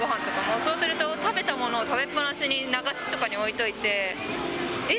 そうすると、食べたものを食べっ放しに、流しとかに置いといて、えっ？